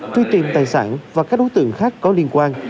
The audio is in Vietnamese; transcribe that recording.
truy tìm tài sản và các đối tượng khác có liên quan